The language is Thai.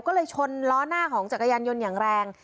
ก็เลยชนล้อหน้าของจักรยานยนต์อย่างแรง